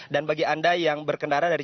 dan bagi anda yang berkendara dari